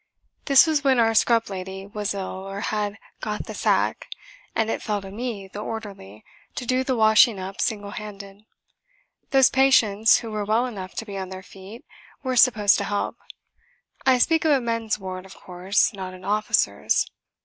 This was when our scrub lady was ill or had "got the sack" and it fell to me, the orderly, to do the washing up single handed. Those patients who were well enough to be on their feet were supposed to help. (I speak of a men's ward, of course, not an officers'.)